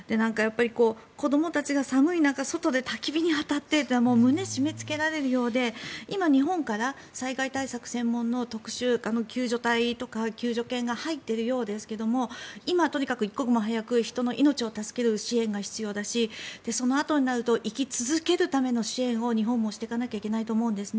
子どもたちが寒い中、外で焚き火にあたってというのは胸を締めつけられるようで今、日本から災害対策専門の特殊救助隊とか救助犬が入っているようですが今はとにかく一刻も早く人の命を助ける支援が必要だしそのあとになると生き続けるための支援を日本もしていかないといけないと思うんですね。